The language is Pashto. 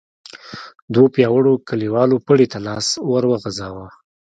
دوو پياوړو کليوالو پړي ته لاس ور وغځاوه.